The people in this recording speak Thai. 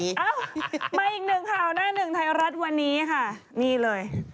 เอ้ามาอีกหนึ่งข่าวหน้าหนึ่งไทยรัฐวันนี้ค่ะนี่เลย